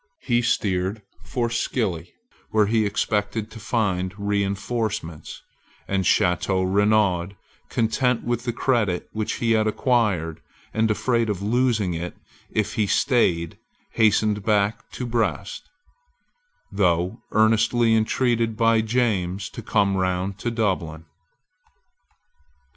He steered for Scilly, where he expected to find reinforcements; and Chateau Renaud, content with the credit which he had acquired, and afraid of losing it if he staid, hastened back to Brest, though earnestly intreated by James to come round to Dublin.